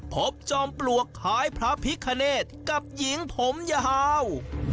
จอมปลวกคล้ายพระพิคเนธกับหญิงผมยาว